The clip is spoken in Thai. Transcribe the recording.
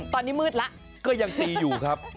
ตอนนี้มืดแล้วก็ยังตีอยู่ครับ